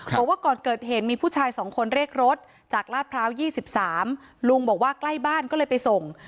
บอกว่าก่อนเกิดเหตุมีผู้ชาย๒คนเรียกรถจากลาดพร้าว๒๓ลุงบอกว่าใกล้บ้านก็เลยไปส่ง